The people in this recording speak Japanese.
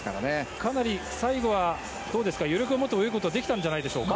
かなり最後は余力を持って泳げたんじゃないでしょうか。